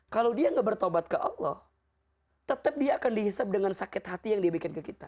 kalau dia nggak bertobat ke allah tetap dia akan dihisap dengan sakit hati yang dia bikin ke kita